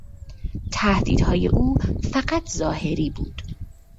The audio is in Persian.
تهدیدهای او فقط ظاهری بود.